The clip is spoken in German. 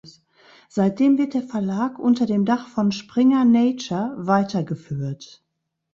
Seitdem wird der Verlag unter dem Dach von Springer Nature weitergeführt.